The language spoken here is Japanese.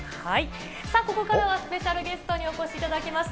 ここからはスペシャルゲストにお越しいただきました。